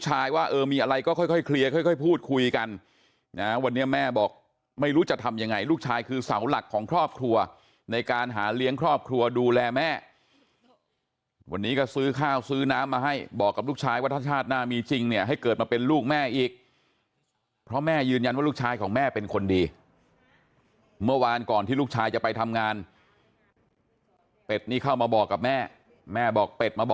ว่าเออมีอะไรก็ค่อยเคลียร์ค่อยพูดคุยกันนะวันนี้แม่บอกไม่รู้จะทำยังไงลูกชายคือเสาหลักของครอบครัวในการหาเลี้ยงครอบครัวดูแลแม่วันนี้ก็ซื้อข้าวซื้อน้ำมาให้บอกกับลูกชายว่าถ้าชาติหน้ามีจริงเนี่ยให้เกิดมาเป็นลูกแม่อีกเพราะแม่ยืนยันว่าลูกชายของแม่เป็นคนดีเมื่อวานก่อนที่ลูกชายจะไปทำงานเป็ดนี่เข้ามาบอกกับแม่แม่บอกเป็ดมาบ